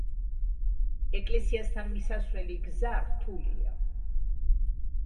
ეკლესიასთან მისასვლელი გზა რთულია.